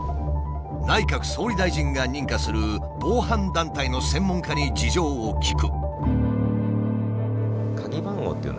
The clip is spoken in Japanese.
内閣総理大臣が認可する防犯団体の専門家に事情を聞く。